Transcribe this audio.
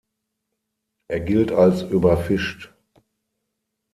Er gilt als überfischt.